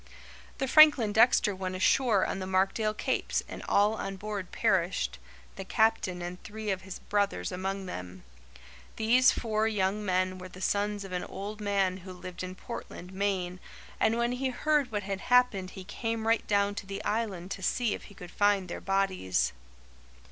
The Franklin Dexter went ashore on the Markdale Capes and all on board perished, the Captain and three of his brothers among them. These four young men were the sons of an old man who lived in Portland, Maine, and when he heard what had happened he came right down to the Island to see if he could find their bodies.